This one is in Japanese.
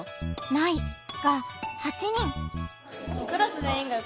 「ない」が８人。